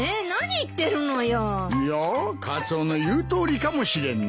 いやカツオの言うとおりかもしれんな。